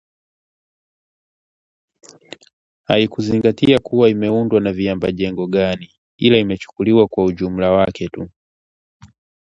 haikuzingatia kuwa imeundwa na viambajengo gani ila imechukuliwa kwa ujumla wake tu